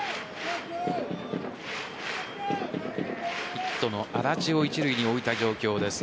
ヒットの安達を一塁に置いた状況です。